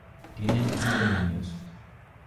Tienen cinco niños.